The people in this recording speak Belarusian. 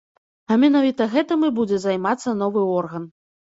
А менавіта гэтым і будзе займацца новы орган.